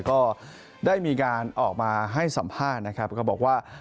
ก็ได้มีการออกมาให้สัมภาษณ์นะครับก็บอกว่า